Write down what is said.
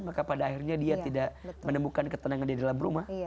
maka pada akhirnya dia tidak menemukan ketenangan di dalam rumah